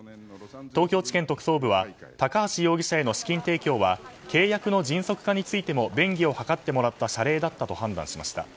東京地検特捜部は高橋容疑者への資金提供は契約の迅速化についても便宜を図ってもらった謝礼だったと判断しました。